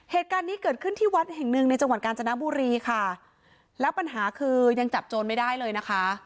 เหตุการณ์นี้เกิดขึ้นที่วัดแห่งหนึ่งในจังหวัดกาญจนบุรีค่ะแล้วปัญหาคือยังจับโจรไม่ได้เลยนะคะ